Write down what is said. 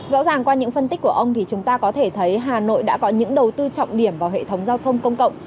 rõ ràng qua những phân tích của ông thì chúng ta có thể thấy hà nội đã có những đầu tư trọng điểm vào hệ thống giao thông công cộng